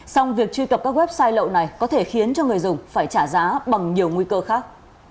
xong việc truy cập các website lậu này có thể khiến cho người dùng phải trả giá bằng nhiều nguy cơ khác